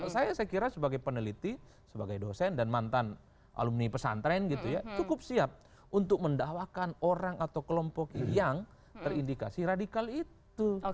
saya kira sebagai peneliti sebagai dosen dan mantan alumni pesantren gitu ya cukup siap untuk mendakwakan orang atau kelompok yang terindikasi radikal itu